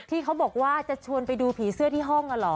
ที่เขาบอกว่าจะชวนไปดูผีเสื้อที่ห้องเหรอ